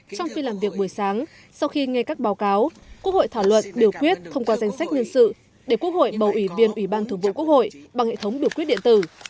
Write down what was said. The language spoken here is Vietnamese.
trong khi làm việc buổi sáng sau khi nghe các báo cáo quốc hội thảo luận biểu quyết thông qua danh sách nhân sự để quốc hội bầu ủy viên ủy ban thường vụ quốc hội bằng hệ thống biểu quyết điện tử